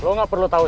lepas su diam